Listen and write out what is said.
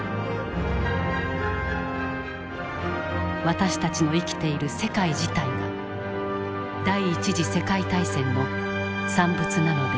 私たちの生きている世界自体が第一次世界大戦の産物なのである。